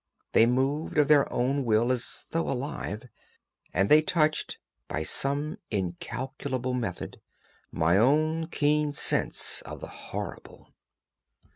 They moved of their own will as though alive, and they touched, by some incalculable method, my own keen sense of the horrible.